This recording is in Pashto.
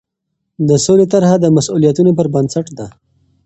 د سولې طرحه د مسوولیتونو پر بنسټ ده.